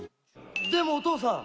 「でもお父さん！」